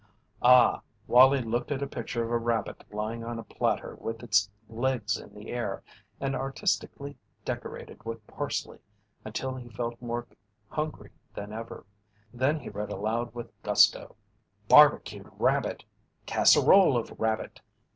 Ah! Wallie looked at a picture of a rabbit lying on a platter with its legs in the air and artistically decorated with parsley until he felt more hungry than ever. Then he read aloud with gusto: "Barbecued rabbit. Casserole of rabbit.